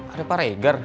ada pak regar